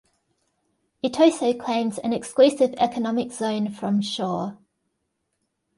It also claims an exclusive economic zone from shore.